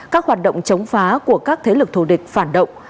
các hoạt động chống phá của các thế lực thù địch phản động